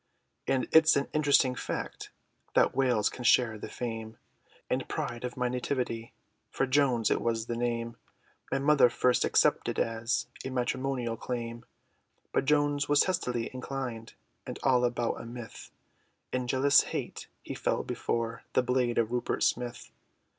And it's an interesting fact, That Wales can share the fame, And pride, of my nativity, For, Jones, it was the name, My mother first accepted, as A matrimonial claim; But Jones was testily inclined, And all about a myth, In jealous hate, he fell before The blade, of Rupert Smith!